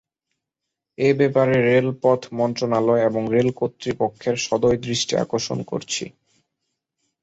এ ব্যাপারে রেলপথ মন্ত্রণালয় এবং রেল কর্তৃপক্ষের সদয় দৃষ্টি আকর্ষণ করছি।